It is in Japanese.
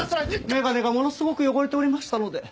眼鏡がものすごく汚れておりましたので。